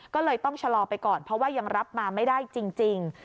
ก็เลยต้องชะลอไปก่อนเพราะว่ายังรับมาไม่ได้จริง